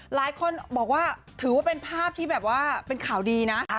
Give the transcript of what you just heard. หลายคนบอกว่าถือว่าเป็นภาพที่แบบว่าเป็นข่าวดีนะ